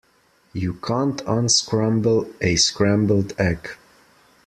You can't unscramble a scrambled egg.